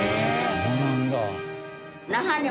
そうなんだ。